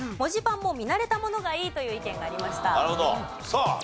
さあ。